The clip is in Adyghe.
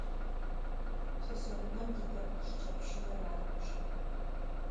Пшъэшъэунэм идэпкъ шыкӏэпщынэр рагъэкӏущтыгъэ.